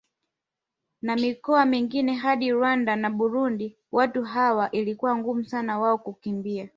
Na mikoa mingine hadi Rwanda na Burundi watu hawa ilikuwa ngumu sana wao kukimbia